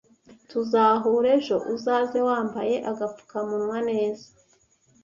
Tuzahura ejo uzaze wambaye agapfukamunwa neza.